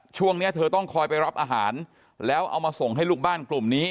ช่วงนี้เธอต้องคอยไปรับอาหารแล้วเอามาส่งให้ลูกบ้านกลุ่มนี้